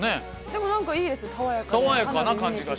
でも何かいいです爽やかで。